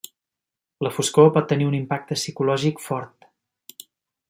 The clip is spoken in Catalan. La foscor pot tenir un impacte psicològic fort.